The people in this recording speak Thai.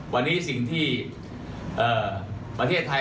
วันนี้สิ่งที่ประเทศไทย